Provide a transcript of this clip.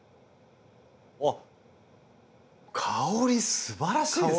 香りすばらしいですね！